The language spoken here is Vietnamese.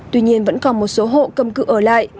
tuy nhiên vẫn còn một số hộ cầm cự ở lại